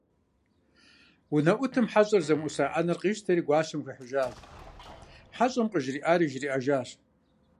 УнэӀутым хьэщӀэр зэмыӀуса Ӏэнэр къищтэри гуащэм хуихьыжащ, хьэщӀэм къыжриӀари жриӀэжащ.